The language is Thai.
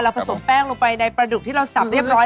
ผสมแป้งลงไปในปลาดุกที่เราสับเรียบร้อย